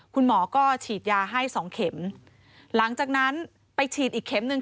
คุณหมอก็ฉีดยาให้สองเข็มหลังจากนั้นไปฉีดอีกเข็มหนึ่ง